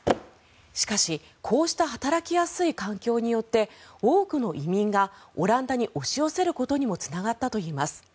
しかし、こうした働きやすい環境によって多くの移民がオランダに押し寄せることにもつながったといいます。